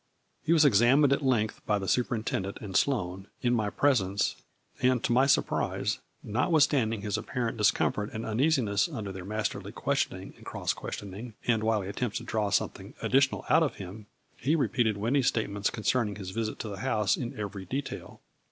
He was examined at length by the superin tendent and Sloane, in my presence, and, to my surprise, notwithstanding his apparent discom fort and uneasiness under their masterly ques tioning and cross questioning and wily attempts to draw something additional out of him, he re peated Winnie's statements concerning his visit to the house in every detail.